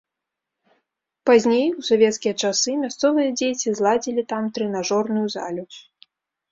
Пазней, у савецкія часы мясцовыя дзеці зладзілі там трэнажорную залю.